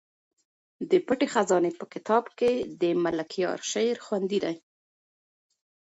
د پټې خزانې په کتاب کې د ملکیار شعر خوندي دی.